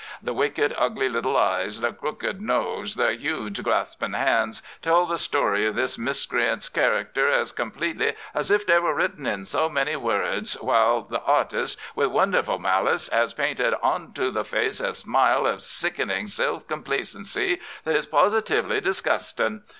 Th' wicked, ugly little eyes, th' crooked nose, th' huge graspin' hands, tell th' story iv this miscreant's character as completely as if they were written in so many wurruds, while th' artist, with wonderful malice, has painted onto th' face a smile iv sickenin' silf complacency that is positively disgustin'.